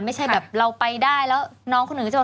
ไม่ใช่แบบเราไปได้แล้วน้องคนอื่นจะบอก